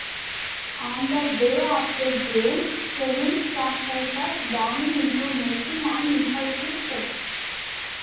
On the day of the game, Kevin chastises Danny into making an impulsive bet.